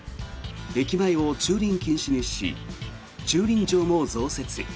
駅前を駐輪禁止にし駐輪場も増設。